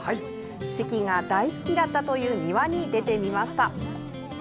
子規が大好きだったという庭に出てみました。